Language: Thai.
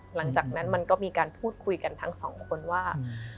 หลังจากนั้นมันก็มีการพูดคุยกันทั้งสองคนว่า